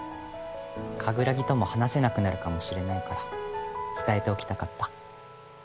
カグラギとも話せなくなるかもしれないから伝えておきたかった。